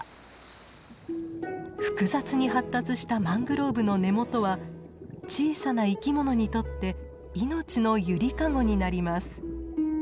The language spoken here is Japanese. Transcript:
複雑に発達したマングローブの根元は小さな生き物にとって命の揺りかごになります。